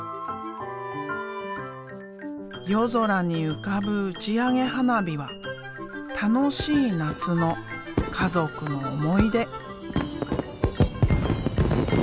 夜空に浮かぶ打ち上げ花火は楽しい夏の家族の思い出。